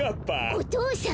お父さん！